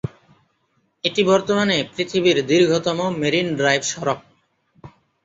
এটি বর্তমানে পৃথিবীর দীর্ঘতম মেরিন ড্রাইভ সড়ক।